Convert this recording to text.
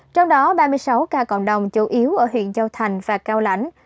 trong đó ba mươi sáu ca còn đồng chủ yếu ở huyện châu thành và cao lãnh